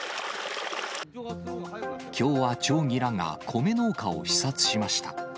きょうは町議らが米農家を視察しました。